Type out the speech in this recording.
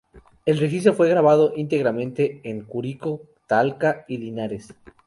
El registro fue grabado íntegramente en Curicó, Talca y Linares.